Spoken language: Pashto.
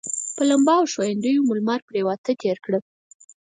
په لمبا او ښویندیو مو لمر پرېواته تېره کړه.